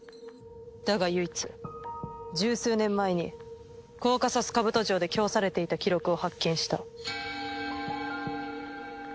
だが唯一十数年前にコーカサスカブト城で供されていた記録を発見した。